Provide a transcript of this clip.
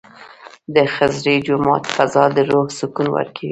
د خضري جومات فضا د روح سکون ورکوي.